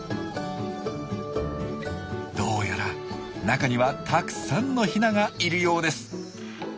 どうやら中にはたくさんのヒナがいるようです。